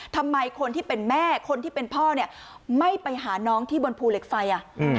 ทำไมคนที่เป็นแม่คนที่เป็นพ่อเนี่ยไม่ไปหาน้องที่บนภูเหล็กไฟ